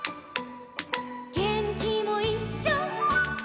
「げんきもいっしょ」